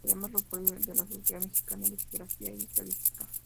Además, lo fue de la Sociedad Mexicana de Geografía y Estadística.